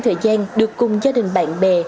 thời gian được cùng gia đình bạn bè